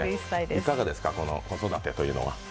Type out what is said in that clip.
いかがですか、子育てというのは。